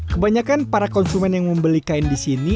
kebanyakan para konsumen yang membeli kain di sini